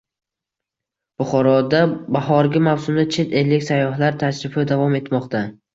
Buxoroda bahorgi mavsumda chet ellik sayyohlar tashrifi davom etmoqda